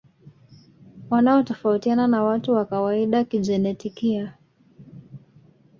Wanatofautiana na watu wa kawaida kijenetikia